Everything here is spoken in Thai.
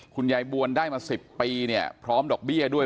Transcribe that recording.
คุณยายบวนได้มา๑๐ปีเนี่ยพร้อมดอกเบี้ยด้วย